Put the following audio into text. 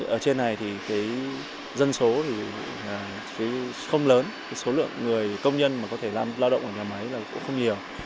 ở trên này dân số không lớn số lượng người công nhân có thể làm lao động ở nhà máy cũng không nhiều